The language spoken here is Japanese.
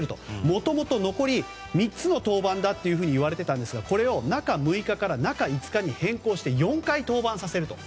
もともと残り３つの登板だと言われてたんですがこれを中６日から中５日に変更して４回登板させると。